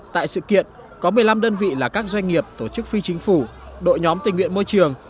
tại sự kiện có một mươi năm đơn vị là các doanh nghiệp tổ chức phi chính phủ đội nhóm tình nguyện môi trường